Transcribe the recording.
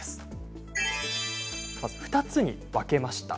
まず２つに分けました。